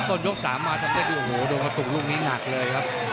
ต้นยก๓มาทำได้โอ้โหโดนกระตุกลูกนี้หนักเลยครับ